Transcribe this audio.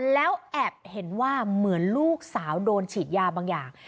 แล้วแอบเห็นว่าเหมือนลูกสาวโดนฉีดยาบางอย่าง